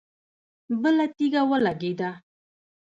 بله تيږه ولګېده.